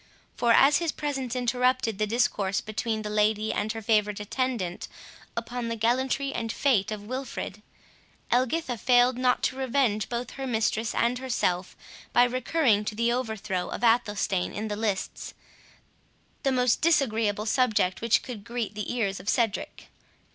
For, as his presence interrupted the discourse between the lady and her favourite attendant upon the gallantry and fate of Wilfred, Elgitha failed not to revenge both her mistress and herself, by recurring to the overthrow of Athelstane in the lists, the most disagreeable subject which could greet the ears of Cedric.